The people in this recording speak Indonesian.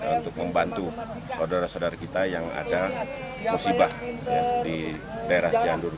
untuk membantu saudara saudara kita yang ada musibah di daerah cianjur